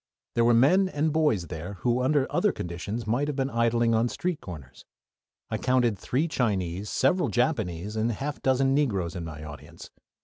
There were men and boys there who under other conditions might have been idling on street corners. I counted three Chinese, several Japanese, and a half dozen Negroes in my audience.